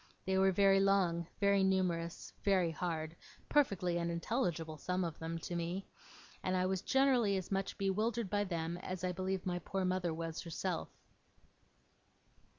They were very long, very numerous, very hard perfectly unintelligible, some of them, to me and I was generally as much bewildered by them as I believe my poor mother was herself.